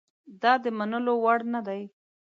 دا د منلو وړ نه دي.